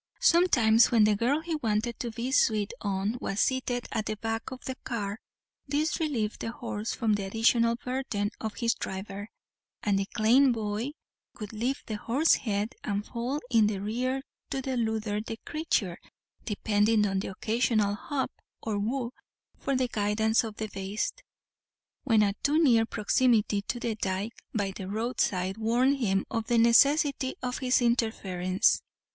Sometimes when the girl he wanted to be sweet on was seated at the back of the car, this relieved the horse from the additional burthen of his driver, and the clane boy would leave the horse's head and fall in the rear to deludher the craythur, depending on the occasional "hup" or "wo" for the guidance of the baste, when a too near proximity to the dyke by the road side warned him of the necessity of his interference.